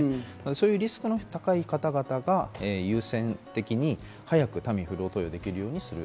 そういうリスクの高い方が優先的に早くタミフルを投与できるようにする。